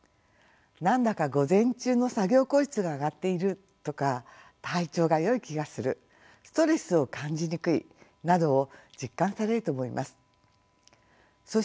何だか午前中の作業効率が上がっているとか体調がよい気がするストレスを感じにくいなどを実感されると思います。